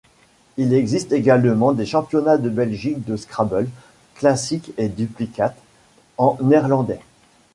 Il existe également des championnats de Belgique de Scrabble, classique et duplicate, en néerlandais.